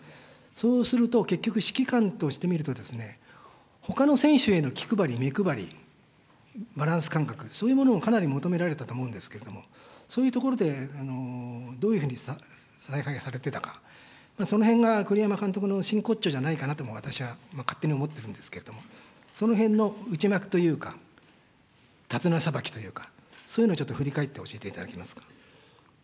そうすると、結局、指揮官としてみるとですね、ほかの選手への気配り、目配り、バランス感覚、そういうものをかなり求められたと思うんですけれども、そういうところでどういうふうにさい配されてたか、そのへんが栗山監督の真骨頂じゃないかなとも私は勝手に思ってるんですけれども、そのへんの内幕というか、手綱さばきというか、そういうのをちょっと振り返って教えていただけますか。